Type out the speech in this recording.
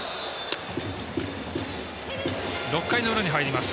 ６回の裏に入ります。